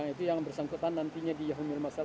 itu yang bersangkutan nantinya di yahumir masjid